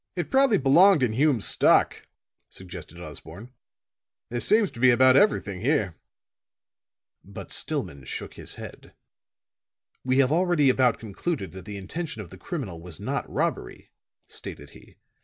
"It probably belonged in Hume's stock," suggested Osborne. "There seems to be about everything here." But Stillman shook his head. "We have already about concluded that the intention of the criminal was not robbery," stated he.